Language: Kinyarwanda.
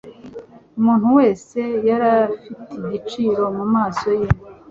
Umuntu wese yarafitigiciro mu maso ye